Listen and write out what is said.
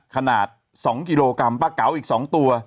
ขนาด๒กิโลกรัมปลาเก๋าอีก๒ตัว